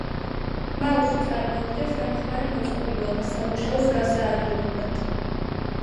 მაუსი წარმოადგენს დამხმარე მოწყობილობას სამუშაოს გასაადვილებლად